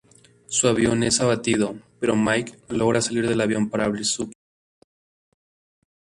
Su avión es abatido, pero Mike logra salir del avión para abrir su paracaídas.